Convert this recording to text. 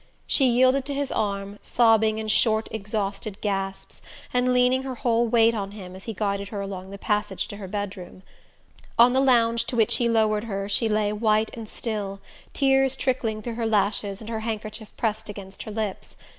She yielded to his arm, sobbing in short exhausted gasps, and leaning her whole weight on him as he guided her along the passage to her bedroom. On the lounge to which he lowered her she lay white and still, tears trickling through her lashes and her handkerchief pressed against her lips.